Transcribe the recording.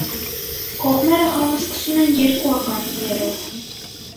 Կողմերը խաղը սկսում են երկուական ձիերով։